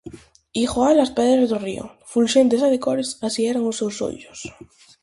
Igual ás pedras do río, fulxentes e de cores, así eran os seus ollos.